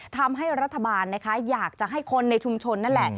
ทำให้รัฐบาลนะคะอยากจะให้คนในชุมชนนั่นแหละ